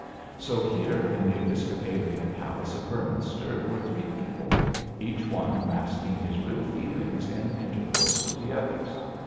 So here in the episcopalian palace of Beorminster were three people, each one masking his real feelings in intercourse with the others.